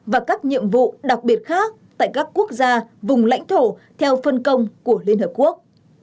và các nhiệm vụ đặc biệt khác tại các quốc gia vùng lãnh thổ theo phân công của liên hợp quốc